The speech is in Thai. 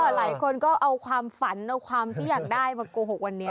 หลายคนก็เอาความฝันเอาความที่อยากได้มาโกหกวันนี้